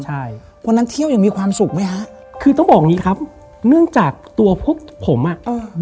ใช่วันนั้นเที่ยวยังมีความสุขไหมฮะคือต้องบอกอย่างงี้ครับเนื่องจากตัวพวกผมอ่ะเออ